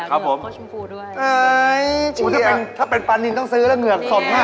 ครับผมอ้าวถ้าเป็นพ่อติดเนียลต้องซื้อแล้วเหงือกสมมาก